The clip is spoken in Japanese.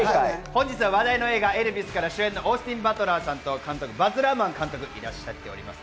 話題の映画『エルヴィス』からオースティン・バトラーさんと監督のバズ・ラーマン監督がいらっしゃっています。